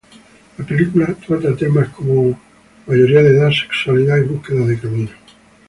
La película trata temas como mayoría de edad, sexualidad y búsqueda de caminos.